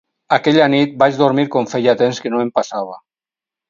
Aquella nit vaig dormir com feia temps que no em passava.